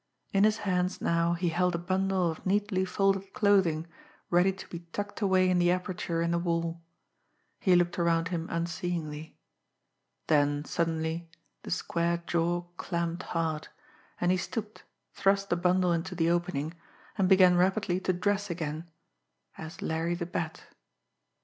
In his hands now he held a bundle of neatly folded clothing ready to be tucked away in the aperture in the wall. He looked around him unseeingly. Then suddenly the square jaw clamped hard, and he stooped, thrust the bundle into the opening, and began rapidly to dress again as Larry the Bat.